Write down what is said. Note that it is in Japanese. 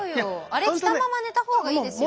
あれ着たまま寝た方がいいですよ。